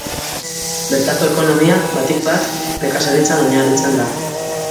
Bertako ekonomia, batik bat, nekazaritzan oinarritzen da.